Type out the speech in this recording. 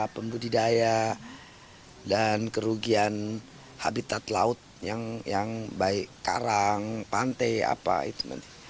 pembudidaya dan kerugian habitat laut yang baik karang pantai apa itu nanti